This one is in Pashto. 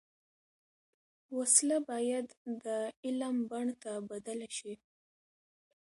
وسله باید د علم بڼ ته بدله شي